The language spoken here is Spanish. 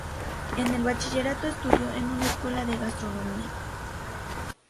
En el bachillerato estudió en una escuela de gastronomía.